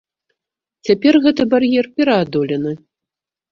Цяпер гэты бар'ер пераадолены.